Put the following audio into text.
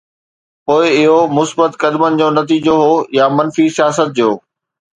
پوءِ اهو مثبت قدمن جو نتيجو هو يا منفي سياست جو؟